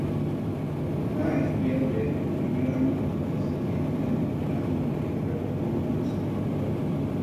Una estudiante de primer año, descendiente de un clan de Guerreros del Mundo Espiritual.